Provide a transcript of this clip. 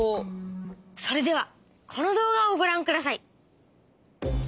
それではこの動画をごらんください。